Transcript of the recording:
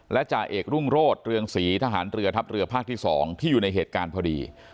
และจ่าเอกรุ่งโรธเรืองศรีทหารเรือทัพเรือภาคที่๒ที่อยู่ในเหตุการณ์พอดี